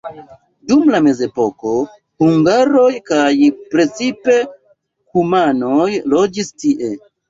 Dum la mezepoko hungaroj kaj precipe kumanoj loĝis tie.